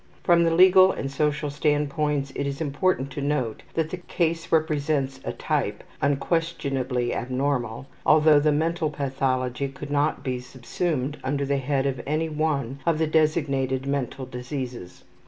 From the legal and social standpoints it is important to note that the case represents a type, unquestionably abnormal, although the mental pathology could not be subsumed under the head of any one of the designated mental diseases.